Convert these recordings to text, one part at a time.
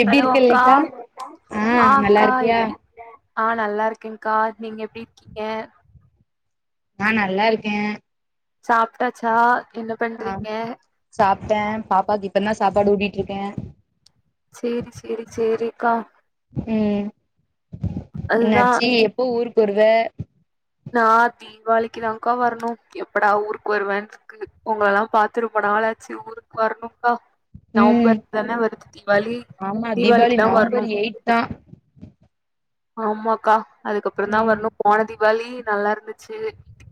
எப்டி ஹலோ இருக்க அக்கா லிசா ஆ நல்லா அக்கா இருக்கியா எப்படி ஆ நல்லா இருக்கேன்கா நீங்க எப்டி இருக்கீங்க நான் நல்லா இருக்கேன் சாப்ட்டாச்சா என்ன பண்றீங்க சாப்ட்டேன் பாப்பாவுக்கு இப்ப தா சாப்பாடு ஊட்டிட்டு இருக்கேன் சேரி சேரி சேரிக்கா ம் அதுதா என்னாச்சி எப்போ ஊருக்கு வருவ நா தீபாளிக்குதா க்கா வரணும் எப்படா ஊருக்கு வருவேன் க்கு உங்களளா பாத்து ரொம்ப நாளாச்சு ஊருக்கு வரணு்கா ம் நவம்பர் தானே வருது தீவாளி ஆமா தீவாளிக்கு தீபாவளி தா நவம்பர் வரணும் எயிட் தா ஆமாக்கா அதுக்கப்புறம் தா ம் வரணும் போன தீபாளி நல்லா இருந்துச்சு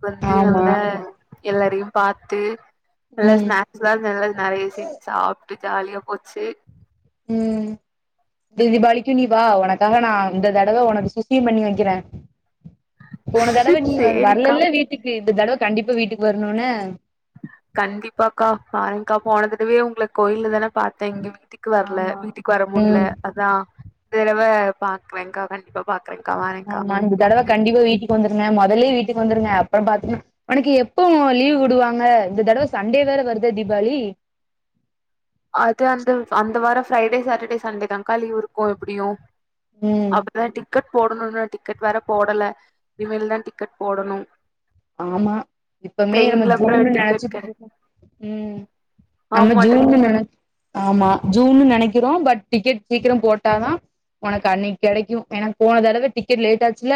வந்து ஆமா நல்லா எல்லாரையும் பாத்து நல்ல ம் ஸ்னாக் ஸ்லா நல்ல நெறய செஞ்சு சாப்ட்டு ஜாலியா போச்சு ம் இந்த தீபாளிக்கும் நீ வா உனக்காக நான் இந்த தடவ உனக்கு சுசியம் பண்ணி வைக்கிறேன் [inaudible] போன தடவ நீ சேரிக்கா வரலல்ல வீட்டுக்கு இந்த தடவ கண்டிப்பா வீட்டுக்கு வருணு என்ன கண்டிப்பாக்கா பாருங்க்கா போனதடவேயே உங்கள கோயில்ல தானே பாத்த இங்க வீட் க்கு வர்ல ஆமா வீட்டுக்கு வர முடில ம் அதா இந்த தடவ பாக்றேங்க்கா கண் ப்ப பாக்றேன்க்கா வரே ஆமா இந்த தடவ கண்டிப்பா வீட்டுக்கு வந்துருங்க மொதலே வீட்டுக்கு வந்துருங்க அப்றோ பாத்துக் ஒனக்கு எப்போ லீவ் வுடுவாங்க இந்த தடவ சண்டே வேற வருதே தீபாளி அது அந்த அந்த வார ஃப்ரைடே சாட்டரடே சண்டே தான்க்கா லீவ் இருக்கு எப்டியு ம் அப்பதா டிக்கெட் போடணுனு டிக்கெட் வேற போடல இனிமேல் தா டிக்கெட் போடணு ஆமா இப்ப மே நம்ம ட்ரெயின்ல அப்றோ ஜூன்னு டிக்கெட் நெனச்சிட் கெடை ம் நம்ம ஆமா ட்ரெயின் ஜூன் நெனச் ஆமா ஜூன்னு நெனைக்கிறோ பட் டிக்கெட் சீக்கிர போட்டாதா உனக்கு அன்னைக் கெடைக்கு எனக்கு போன தடவ டிக்கெட் லேட் ஆச்சுல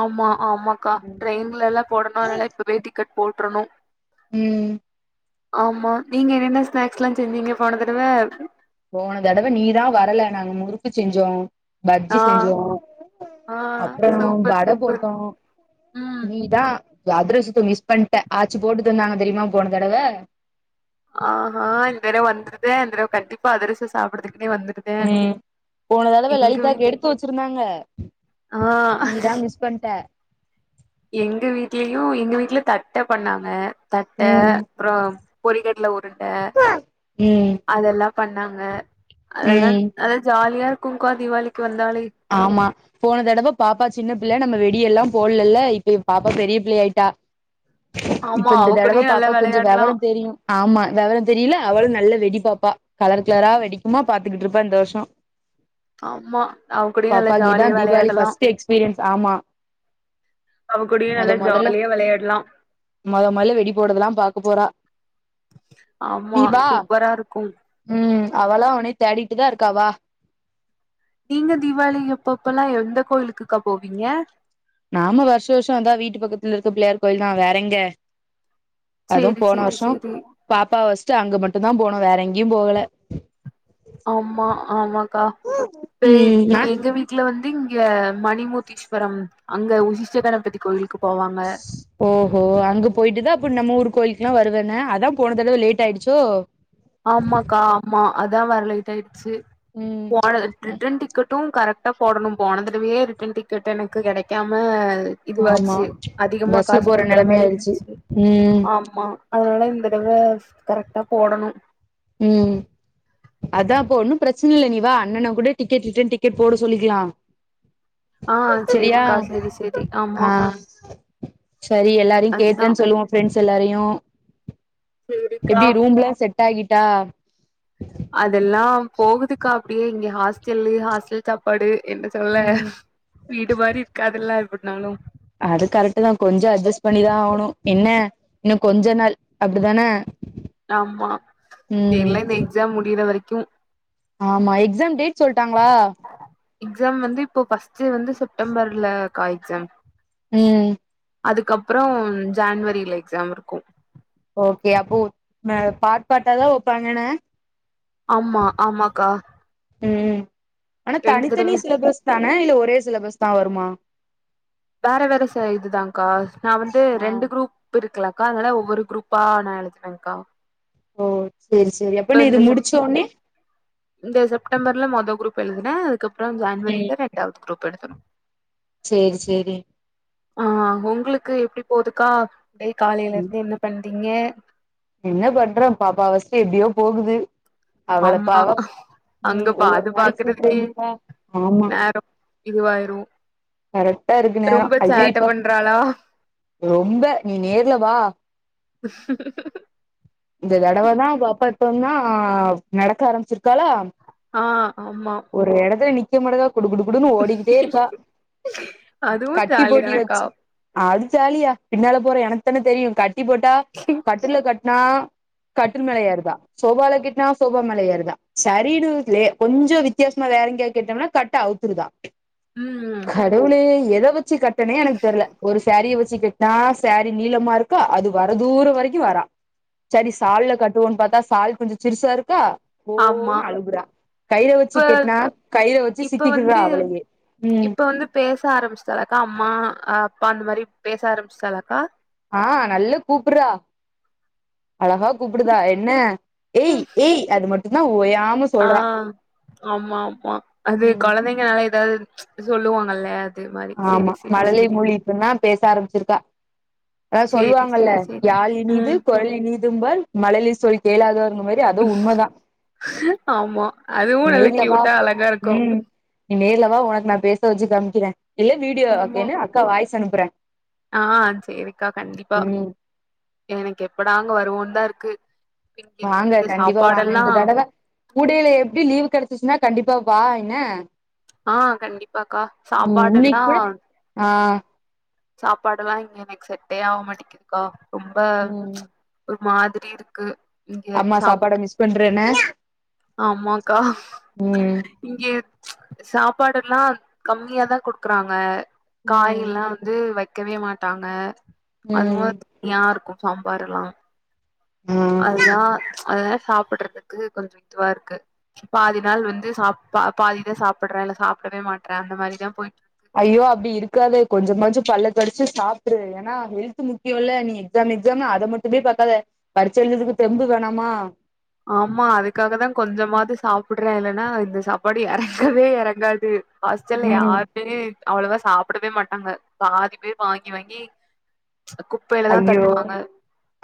ஆமா ஆமாக்கா ட்ரெயின்லலா போடணுன்னாலே இப்பவே டிக்கெட் போட்றுணு ம் ஆமா நீங்க என்னென்ன ஸ்நாக்ஸ்லா செஞ்சீங்க போன தடவ போன தடவ நீதா வரல நாங்க முறுக்கு செஞ்சோ பஜ்ஜி ஆ செஞ்சோ ஆ அப்றோ சூப்பர் வட சூப்பர் போட்டோ ம் நீதா எ அதுரசத்த மிஸ் பண்ட்ட ஆச்சு போட்டு தந்தாங்க தெரியுமா போன தடவ ஆன் ஆன் இந்த தறவ வந்துருவே இந்தடவ கண்டிப்பா அதுரச சாப்ட்றதுகுனே வந்துருப்பே ம் போன தடவ லலிதாவுக்கு எடுத்து வச்சிருந்தாங்க ஆ நீதா மிஸ் பண்ட்ட எங்க வீட்லயு எங்க வீட்ல தட்ட பண்ணாங்க தட்ட ம் அப்றோ பொரிகட்ல உருண்ட ம் அதெல்லா பண்ணாங்க அதெல்லா ம் அத ஜாலியா இருக்கு கா தீவாளிக்கு வந்தாலே ஆமா போன தடவ பாப்பா சின்ன புள்ள நம்ம வெடியெல்லா போட்லல்ல இப்ப பாப்பா பெரிய புள்ள ஆயிட்டா ஆமா இப்ப அவ இந்த தடவ கூடயே நல்லா பாப்பா கொஞ்சோ வெளையாடலா வெவர தெரியு ஆமா விவரோ தெரியுல அவளு நல்ல வெடி பாப்பா கலர் கலரா வெடிக்குமா பாத்துக்கிட்டு இருப்பா இந்த வருஷ்ஷோ ஆமா அவுங் கூடயு நல்லா பாப்பாக்கு இதா ஜாலியா தீபாவளி விளையாடலா ஃபர்ஸ்ட் எக்ஸ்பீரியன்ஸ் ஆமா அவ கூடியே மொத நல்லா மொதல்ல ஜாலியா வெளையாட்லா மொத மொதல்ல வெடி போட்றதெல்லா பாக்க போறா ஆமா நீ வா சூப்பராருக்கு ம் அவலா அவனே தேடிட்டு தா இருக்காவா நீங்க தீவாளி எப்பப்பல்லா எந்த கோயிலுக்கு கா போவீங்க நாம வருஷ் வருஷோ இந்தா வீட்டு பக்கத்துல இருக்க பிள்ளையார் கோயில் தா வேற எங்க அதும் சேரி போன சேரி வர்ஷோ சேரி பாப்பாவ வஸ்ட்டு அங்க மட்டு தா போனோ வேற எங்கியு போவல ஆம்மா ஆமாக்கா இப்ப ம் நா நீ எங்க வீட் வீட்ல வந்து இங்க மணிமூர்த்தீஸ்வரம் அங்க உசிஷ்ட கணபதி கோயிலுக்கு போவாங்க ஓஹோ அங்க போயிட்டு தா அப்ப நம்ம ஊர் கோயிலுக்குலா வருவ ன அதா போன தடவ லேட் ஆயிடுச்சோ ஆமாக்கா ஆமா அதா வர லேட்டாயிச்சு போன ம் ரிட்டன் டிக்கெட்டு கரெக்டா போடணு போனதடவியே ரிட்டன் டிக்கெட் எனக்கு கெடைக்காம ஆமா இதுவாச்சு அதிகமா பஸ்ல காசு போற குடுக்கற நெலைமை மாரி ஆயிடுச்சு இருந்ச்சு ம் ஆமா அதனால இந்தடவ கரெக்டா போடணு ம் அதா இப்போ ஒன்னு பிரச்சன இல்ல நீவா அண்ணன கூட டிக்கெட் ரிட்டன் டிக்கெட் போட சொல்லிக்கலா ஆ செரியா சேரிக்கா சேரி சேரி ஆமா ஆ செரி எல்லாரையு அதுதா கேட்டன் சொல்லு ஒ ஃப்ரெண்ட்ஸ் எல்லாரையு சேரிக்கா எப்டி ரூம்லா செட் ஆகிட்டா அதெல்லா போகுதுக்கா அப்டியே இங்க ஹாஸ்டல்லே ஹாஸ்டல் சாப்பாடு என்ன சொல்ல ம் வீடு மாரி இருக்காதுல்ல எப்புட்னாலு அது கரெக்ட் தா கொஞ்ச அட்ஜஸ்ட் பண்ணிதா ஆவணு என்ன இன்னு கொஞ்ச நாள் அப்டிதான ஆமா ம் எல்லா இந்த எக்ஸாம் முடியிற வரைக்கூ ஆமா எக்ஸாம் டேட் சொல்ட்டாங்களா எக்ஸாம் வந்து இப்போ ஃபர்ஸ்ட் வந்து செப்டம்பர்லக்கா எக்ஸாம் ம் அதுக்கப்றோ ஜான்வரியில எக்ஸாம் இருக்கு ஓகே அப்போ மே பாட்பாட்டாதான் வப்பாங்க னே ஆமா ஆமாக்கா ம் ஆனா ரெண்டு தனித்தனி தடவ சிலபஸ் தான இல்ல ஒரே சிலபஸ் தா வருமா வேற வேற ச இதுதான்கா நா வந்து ஆ ரெண்டு குரூப் பு இருக்கலக்கா அதனால ஒவ்வொரு குரூப்பா நா எழுதுறன்கா ஓ சேரி சேரி அப்ப நீ இது இந்த செப் முடிச்சோனே இந்த செப்டம்பர்ல மொத குரூப் எழுதுன அதுக்கப்றோ ஜான்வரில ரெண்டாவது குரூப் எழுதணு சேரி சேரி ஆ உங்களுக்கு எப்டி போதுக்கா டே காலையில ம் இருந்து என்ன பண்றீங்க என்ன பண்ற பாப்பா வஸ்ட்டு எப்டியோ போகுது அவள ஆமா பாவோ அங்க ம் ப ஒவ்வொரு அது நாளைக்கு சீக்கிரோ பாக்குறதுக்கே எந்திப்பா ஆமா நேரோ இதுவாய்ரு கரெக்டா இருக்கு நேரோ ஐயோ இப்ப பண்றாளா ரொம்ப நீ நேர்ல வா [unintelligible] இந்த தடவ தா பாப்பா இப்பன்னா நடக்க ஆரம்பிச்சிருக்காலா ஆ ஆமா ஒரு எடத்துல நிக்க மாட்டுதா குடு குடு குடுன்னு ஓடிக்கிட்டே இருக்கா அதுவு கட்டி போட்டி ஜாலிதானக்கா வெச்சு அது ஜாலியா பின்னால போற எனக்தான தெரியு கட்டி போட்டா கட்டுல்ல கட்னா கட்டுல்மல ஏருதா சோபால கிட்டினா சோபாமல ஏருதா சரீனுத்துலே கொஞ்சோ வித் தியாசமா வேற எங்யாவ்து கட்டோம்னா கட்ட அவுத்துருதா ம் கடவுளே எத வெச்சு கட் டனே எனக்கு தெர்ல ஒரு சாரிய வெச்சு கட்னா சாரீ நீளமா இருக்கா அது வரதூரோ வரிக்கு வரா செரி சால்ல கட்டுவோன் பாத்தா சால் கொஞ்சோ சிறுசா இருக்கா ஆமா ஓன்னு அழுகுறா கைல இப்ப வெச்சு கிட்னா கைல வெச்சு இப்ப சிக்கிக்குட்றா வந்து அவளயே ம் இப்ப வந்து பேச ஆரம்பிஸ்டாளாகா அம்மா அப்பா அந்த மாரி பேச ஆரம்பிஸ்ட்டாளாக்கா ஆ நல்ல கூப்புற்றா அழகா கூப்புடுதா என்ன ஏய் ஏய் அது மட்டுதா ஓயாம ஆ சொல்றா ஆமா ஆமா அது கொழந்தைங்கனாலே எதாத் சொல்லுவாங்கல்ல அதே மாரி சேரி சேரி சேரி இப்பலந்தா பேச ஆரம்பிச்சிருக்கா அதா சேரி சொல்லுவாங்கல்ல சேரி சேரி யாழ் இனிது ம் குரல் இனித் [unintelligible] மழலி சொல் கேளாதவங்க மாரி அதுவு உண்மதா ஆமா அதுவு நீ நல்ல நேர்ல வா க்யூட்டா அழகா இருக்கு ம் நீ நேர்லவா உனக்கு நா பேச வெச்சு கமிக்கிறே இல்ல ஆமா வீடியோன்னு அக்கா வாய்ஸ் அனுப்புற ஆ சேரிக்கா கண்டிப்பா ம் எனக்கு எப்படா அங்க வருவோன்தா இருக்கு இங்க இருந்து வாங்க இந்த கண்டிப்பா வாங்க சாப்பாடெல்லா இந்த தடவ ஊடைல எப்டி லீவு் கடச்சிச்சுன்னா கண்டிப்பா வா என்ன ஆ கண்டிப்பாக்கா ம் இன்னைக்கு சாப்பாடெல்லா கூட ஆ சாப்பாடெல்லா இங்க எனக்கு செட்டே ஆவ மாட்டிக்குதுக்கா ரொம்ப ம் ஒரு மாதிரி இருக்கு இங்க அம்மா சாப் சாப்பாட மிஸ் பண்றேனு ஆமாக்கா இங்க சாப்பாடல்லா கம்மியாதா குடுக்குறாங்க ம் காயில்லா வந்து வெக்கவே மாட்டாங்க அதுவு ம் யாருக்கு சாம்பாரெல்லா ஆ அதுதா அதா சாப்பட்றதுக்கு கொஞ்சோ இதுவா இருக்கு பாதி நாள் வந்து சாப் பா பாதிதா சாப்புட்ற இல்ல சாப்டவே மாட்ற அந்த மாரிதா போய்ட்ருக் ஐயோ அப்டி இருக்காத கொஞ்சமாச்சு பல்ல கடிச்சு சாப்டு எனா ஹெல்த்து முக்கியோல்ல நீ எக்ஸாம் எக்ஸாம்னு அத மட்டுமே பாக்காத பரிச்ச எழுததுக்கு தெம்பு வேணாமா ஆமா அதுக்காகதா கொஞ்சமாது சாப்புட்ற இல்லனா இந்த சாப்பாடு எறங்கவே எறங்காது ஹாஸ்டல்ல ம் யாருக்மே அவ்ளவா சாப்டவே மாட்டாங்க பாதி பேரு வாங்கி வாங்கி குப் ஐய்யோ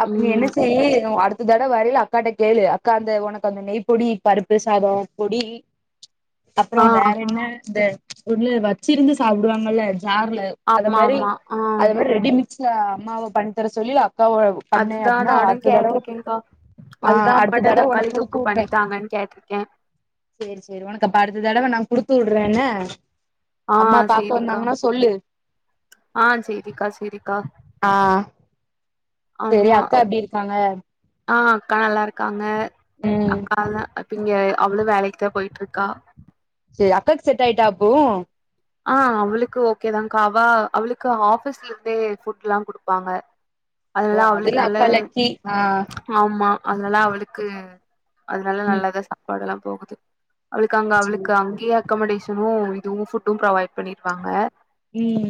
அப்ப நீ என்ன செய்யி அடுத் ததட வரைல அக்காட்ட கேளு அக்கா அந்த உனக்கு அந்த நெய் பொடி பருப்பு சாதோ பொடி [inaudible] அப்புறோ வேறென்ன இந்த உள்ள வெச்சிருந்து சாப்டுவாங்கல்ல ஜார்ல ஆமா அந்தமாரி ஆமா ஆ அதுமாரி ரெடி மிக்ஸ்ல அம்மாவ பண் தர சொல்லி அக்காவ பண்ணே அதுதா அப்புட்னா நானு அடுத்த தடவ கேட்டிருக்கேன்க்கா ஆ அதுதா அடுத்த அம்மாட்ட தடவ தக்காளி உனக் தொக்கு குடுத்துட்ற பண்ணித்தாங்கன்னு கேட்டிருக்கே செரி செரி உனக்கு அப்ப அடுத்த தடவ நா குடுத்து உட்றே என்ன ஆ அம்மா பாக்க சேரிக்கா வந்தாங்கன்னா சொல்லு ஆ சேரிக்கா சேரிக்கா ஆ செரி ஆமா அக்கா எப்டி இருக்காங்க ஆ அக்கா நல்லாருக்காங்க ம் அக்கா தா இப்ப இங்க அவுளு வேலைக்குதா போய்ட்ருக்கா செரி அக்காக்கு செட் ஆய்ட்டா அப்போ அ அவளுக்கு ஓகேதான்கா அவ அவளுக்கு ஆஃபீஸ்ல இருந்தே ஃபுட்ல்லா குடுப்பாங்க ஓ அதனாலா அவளுக்கு அதுல நல்ல அக்கா லக்கி ஆ ஆமா அதனால அவளுக்கு அதனால ம் நல்லா தா சாப்பாடெல்லா போகுது அவளுக்கு அங்க சேரி அவளுக்கு அங்கயே அக்கமடேஷனு இதுவு ஃபுட்டும் ப்ரொவைட் பண்ணிருவாங்க ம்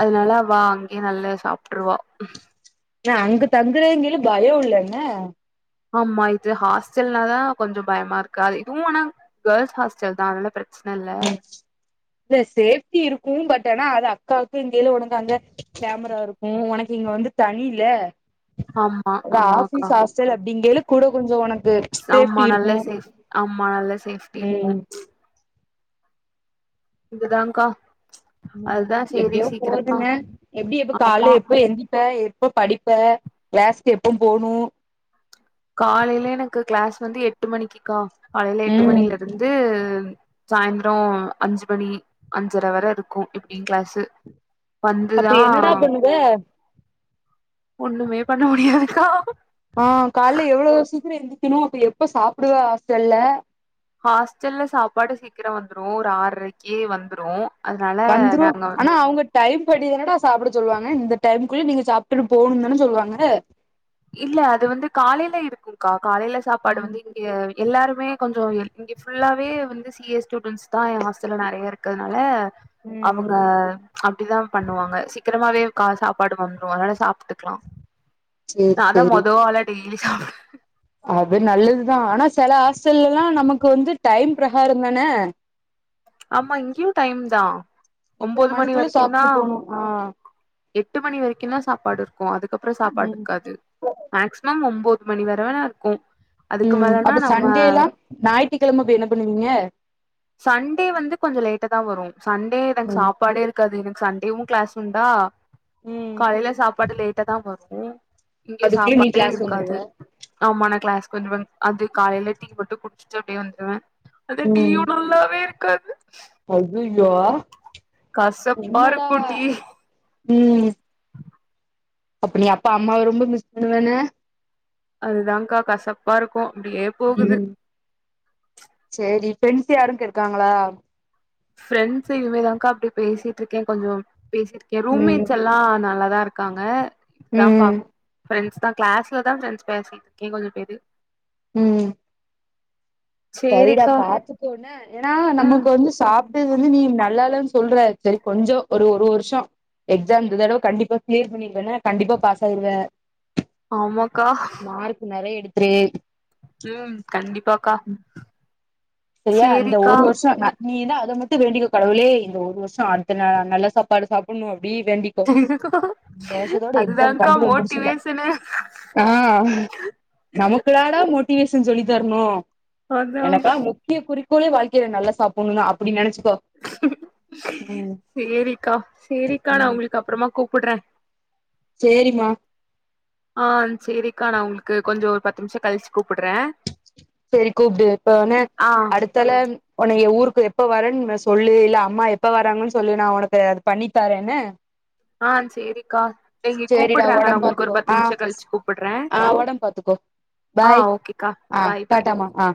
அதனால வாங்கி நல்லா சாப்ட்ருவா இல்ல அங்க தங்குறங்கில்ல பயோ இல்லன ஆமா இது ஹாஸ்டல்னாதா கொஞ்சோ பயமா இருக்காது இதுவு ஆனா கேள்ஸ் ஹாஸ்டல் தா அதனால பிர ம் இல்ல சேஃப்டி இருக்கு பட் ஆனா அது அக்காவுக்கு இங்கேல உனக்கு அங்க கேமரா இருக்கு உனக்கு இங்க வந்து தனில்ல ஆமா அது ஆமாக்கா ஆஃபிஸ் ஹாஸ்டல் அப்டிங்கைல கூட கொஞ்சோ உனக் ஆமா நல்ல சேஃப் ஆமா நல்ல சேஃப்டி இருக்கு ம் இப்டிதாங்கா ம் எப்டியோ போதுங்க எப்டி எப்ப ஆமா காலைல எப்ப எந்திப்ப எப்ப படிப்ப க்ளாஸ்க்கு எப்ப போணு காலைல எனக்கு க்ளாஸ் வந்து எட்டு மணிக்குக்கா காலைல எட்டு மணில இருந்து சாய்ந்ரோ அஞ்சு மணி அஞ்சர வர இருக்கு எப்டியு க்ளாசு வந்து தா ஏ ஒன்னுமே பண்ண முடியாதுக்கா அ காலைல எவ்ளோ சீக்கிரம் எந்திக்கணும் அப்ப எப்ப சாப்டுவ ஹாஸ்டல்ல ஹாஸ்டல்ல சாப்பாடு சீக்கிரம் வந்துரும் ஒரு ஆற்ரைக்கு வந்துரு அதனால வந்துரும் நாங்க ஆனா அவுங்கட் டைம் படி தானடா சாப்ட சொல்லுவாங்க இந்த டைம்குள்ல நீங்க சாப்ட்டு போணுனு தான சொல்லுவாங்க இல்ல அது வந்து காலைல இருக்கும் கா காலைல சாப்பாடு வந்து ம் எல்லாருமே கொஞ்சோ இங்க ஃபுல்லாவே வந்து சி ஏ ஸ்டூடெண்ட்ஸ் தா என் ஹாஸ்டல்ல நெறையா பேரு க்குதுனால ம் அவுங்க அப்டிதா பண்ணுவாங்க சீக்கிரமாவே கா சாப்பாடு வந்துரும் அதனால சாப்ட்டுக்லா சேரி நா தா சேரி மொத ஆளா டெய்லி சாப்டுவ அது நல்லது தா ஆனா சில ஹாஸ்டல்லல்லா நமக்கு வந்து டைம் பிரகாரம் தான ஆமா இங்கியு டைம் தா இத்தன ஒம்போது மணி மணிக்குள்ள வரைக்கிந்தா சாப்ட்டு போணு ஆ எட்டு மணி வரைக்குந்தா சாப்பாடு இருக்கு அதுக்கப்பறோ சாப்பாடு ம் இருக்காது மேக்ஸ் மேம் ஒம்போது மணி வரவேண்ணா இருக்கு அதுக்கு ம் மேலனா அப்ப நம்ம சண்டே எல்லா ஞாயிற்றுக்கிழம போய் என்ன பண்ணுவீங்க சண்டே வந்து கொஞ்சோ லேட்டா தா வரும் சண்டே எனக்கு ம் சாப்பாடு இருக் இருக்காது எனக்கு சண்டேவு கிளாஸ் உண்டா ம் காலையில சாப்பாடு லேட்டா தா வரும் இங்க அதுக்குள்ள நீ சாப்பாடே கிளாஸ் வந்துருவ இருக்காது ஆமா நா கிளாஸ்க்கு வந்துருவேன் அது காலையில டீ மட்டு குடிச்சிட்டு அப்டியே வந்துருவே அது ம் டீயும் நல்லாவே இருக்காது அய்யய்யோ கசப்பா என்னடா இருக்கு டீ ம் அப்ப நீ அப்பா அம்மாவ ரொம்ப மிஸ் பண்ணுவ இன்ன அதுதாங்க்கா கசப்பா இருக்கு அப்டியே போகுது ம் சேரி ஃப்ரெண்ட்ஸ் யாரு கிருக்காங்களா ஃப்ரெண்ட்ஸ் இனிமேதான்கா அப்டியே பேசிட்டு இருக்கே கொஞ்சோ பேசிட்டு இருக்கே ம் ரூம்மேட்ஸ் எல்லா நல்லாதா இருக் இருக்காங்கா தான்பா ம் ஃபிரண்ட்ஸ்தா கிளாஸ்ல தா பிரண்ட்ஸ் பேசிட்டு இங்க கொஞ்ச பேரு ம் சரிடா சேரிக்கா பாத்துக்கோன்ன ஏன்னா ம் நமக்கு வந்து சாப் அது வந்து நீ நல்லா இல்லன்னு சொல்ற சரி கொஞ்ச ஒரு ஒரு வருஷம் எக்ஸாம் இந்த தடவ கண்டிப்பா கிளியர் பண்ணிருவேன்ன கண்டிப்பா பாஸ் ஆயிருவ ஆமாக்கா மார்க் நெறைய எடுத்துரு ம் கண்டிப்பாக்கா சரியா இந்த சேரிக்கா ஒரு வருஷம் நீதா அத மட்டும் வேண்டிக்க கடவுளே இந்த ஒரு வருஷம் அடுத்த நா நல்லா சாப்பாடு சாப்டணும் அப்டி வேண்டி இந்த வருஷத்தோட எக்ஸாம் அதுதான்க்கா கண்டிப்பா முடிச்சிடுவ மோட்டிவேஷனு அ நமக்குதாடா மோட்டிவேஷன் சொல்லி தரணு அதா எனக்ல்லா முக்கிய குறிக்கோலே வாழ்க்கையில நல்லா சாப்புடணு அப்டி நெனச்சிக்கோ சேரிக்கா சேரிக்கா நான் ம் உங்களுக்கு அப்புறமா கூப்புடுறே சேரிம்மா அ சேரிக்கா நான் உங்களுக்கு கொஞ்ச ஒரு பத்து நிமிஷம் கழிச்சி கூப்புடுறே சேரி கூப்புடு இப்ப ன அடுத் தல உன்னைய ஊருக்கு எப்ப வரேன்னு சொல்லு இல்ல அம்மா எப்ப வராங்கன்னு சொல்லு நா உனக்கு பண்ணித்தாரேன் என்ன அ சேரிக்கா இங்க சேரிடா கூப்புடுறாங்க நா ஒடம் உங்களுக்கு பாத்துக்கோ ஒரு பத்து ஆ நிமிஷம் கழிச்சி கூப்புடுறே ஆ [unintelligible] ஆ பாய் ஓகேக்கா ஆ பாய் பாய் டாட்டாமா ஆ